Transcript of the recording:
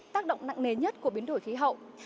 tác động nặng nề nhất của biến đổi khí hậu